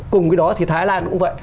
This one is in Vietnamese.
cùng với đó thì thái lan cũng vậy